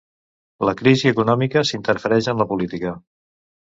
La crisi econòmica s'interfereix en la política.